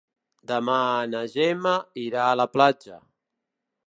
Demà na Gemma irà a la platja.